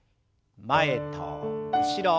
前と後ろ。